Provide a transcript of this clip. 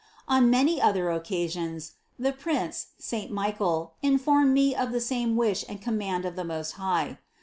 On many other occa sions the prince saint Michael informed me of the same wish and command of the Most High.